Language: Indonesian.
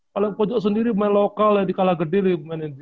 kalau pojok sendiri pemain lokal jadi kalah gede nih pemain nba